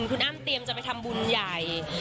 คุณอ้ำเตรียมจะไปทำบุญใหญ่